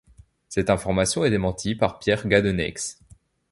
Cette information est démentie par Pierre Gadonneix.